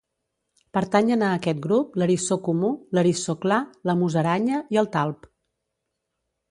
Pertanyen a aquest grup l'eriçó comú, l'eriçó clar, la musaranya i el talp.